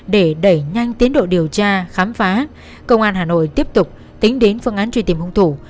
để đẩy nhanh tiến độ điều tra khám phá công an hà nội tiếp tục tính đến phương án truy tìm hung thủ